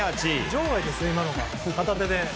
場外ですよ、今のが片手で。